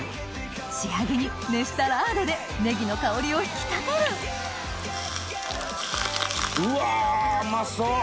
仕上げに熱したラードでネギの香りを引き立てるうわうまそう！